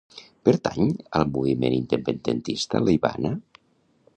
Pertany al moviment independentista l'Ivana?